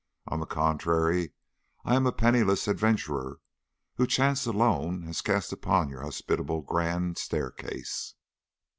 On the contrary, I am a penniless adventurer whom chance alone has cast upon your hospitable grand staircase."